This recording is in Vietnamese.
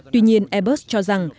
tuy nhiên airbus cho rằng